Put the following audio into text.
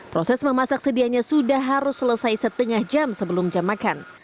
proses memasak sedianya sudah harus selesai setengah jam sebelum jam makan